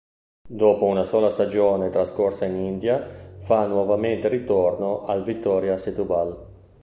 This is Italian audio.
Dopo solo una stagione trascorsa in India fa nuovamente ritorno al Vitória Setúbal.